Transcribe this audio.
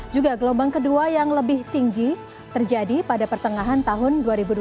juga gelombang kedua yang lebih tinggi terjadi pada pertengahan tahun dua ribu dua puluh